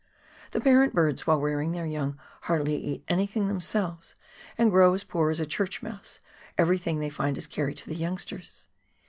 The parent birds while rearing their young hardly eat anything themselves and grow as poor as a church mouse, everything they find is carried to the youngsters.